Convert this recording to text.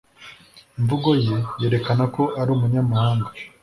Imvugo ye yerekana ko ari umunyamahanga.